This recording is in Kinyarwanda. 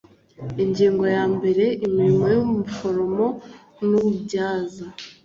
ingingo ya mbere imirimo y ubuforomo n ububyaza